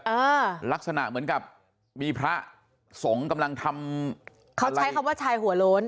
อ่าลักษณะเหมือนกับมีพระสงฆ์กำลังทำเขาใช้คำว่าชายหัวโล้น